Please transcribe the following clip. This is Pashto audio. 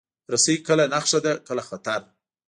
رسۍ کله نښه ده، کله خطر.